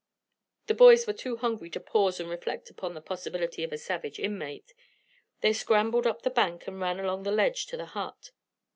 The boys were too hungry to pause and reflect upon the possibility of a savage inmate; they scrambled up the bank and ran along the ledge to the hut.